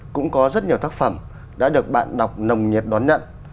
cũng có rất nhiều tác phẩm đã được bạn đọc nồng nhiệt đón nhận